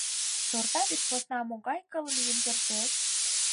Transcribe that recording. Сорта деч посна могай кыл лийын кертеш?